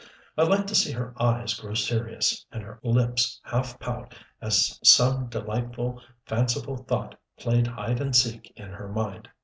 I liked to see her eyes grow serious, and her lips half pout as some delightful, fanciful thought played hide and seek in her mind.